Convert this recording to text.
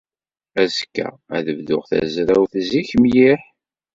Azekka, ad bduɣ tazrawt zik mliḥ.